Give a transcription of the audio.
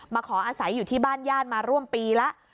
ขออาศัยอยู่ที่บ้านญาติมาร่วมปีแล้ว